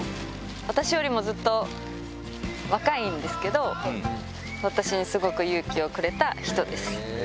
私よりもずっと若いんですけど、私にすごく勇気をくれた人です。